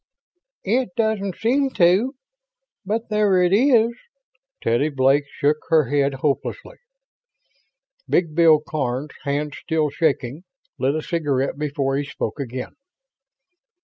"It doesn't seem to, but there it is." Teddy Blake shook her head hopelessly. Big Bill Karns, hands still shaking, lit a cigarette before he spoke again.